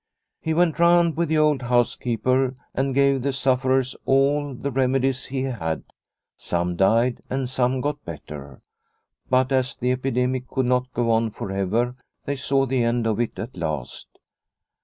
He went round with the old housekeeper and gave the sufferers all the remedies he had. Some died and some got better. But as the epidemic could not go on for ever, they saw the end of it at last.